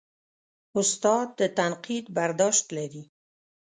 استاد د تنقید برداشت لري.